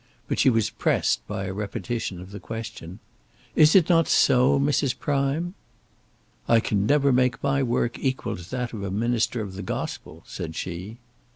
But she was pressed by a repetition of the question. "Is it not so, Mrs. Prime?" "I can never make my work equal to that of a minister of the Gospel," said she.